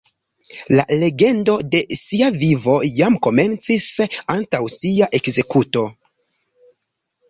La legendo de sia vivo jam komencis antaŭ sia ekzekuto.